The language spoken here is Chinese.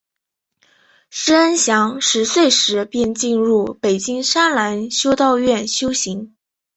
师恩祥十岁时便进入北京栅栏修道院修行。